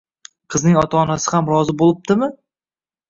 Qizning ota-onasi ham rozi bo`libdimi